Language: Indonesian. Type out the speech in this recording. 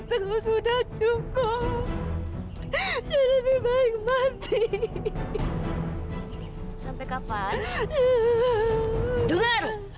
dan aku gak bisa ninggalkan dia